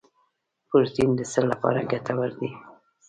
پروټین د څه لپاره ګټور دی